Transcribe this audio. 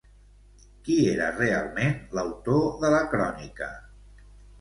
Qui era realment l'autor de la crònica?